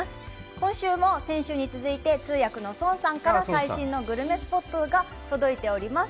今週も、先週に続いて、通訳の孫さんから最新のグルメスポットが届いております。